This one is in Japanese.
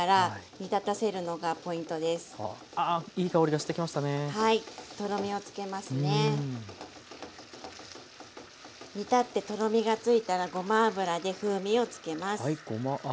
煮立ってとろみがついたらごま油で風味をつけます。